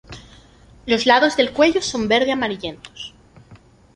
Los lados del cuello son verde amarillentos.